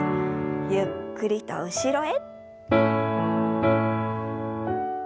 ゆっくりと後ろへ。